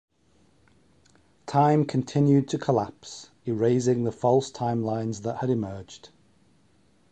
Time continued to collapse, erasing the false timelines that had emerged.